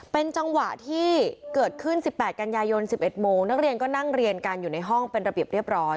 เป็นจังหวะที่เกิดขึ้น๑๘กันยายน๑๑โมงนักเรียนก็นั่งเรียนกันอยู่ในห้องเป็นระเบียบเรียบร้อย